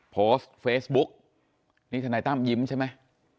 โพสต์เฟซบุ๊กนี่ทนายตั้มยิ้มใช่ไหม